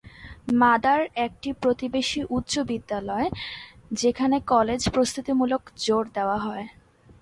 Mother একটি প্রতিবেশী উচ্চ বিদ্যালয় যেখানে কলেজ প্রস্তুতিমূলক জোর দেওয়া হয়।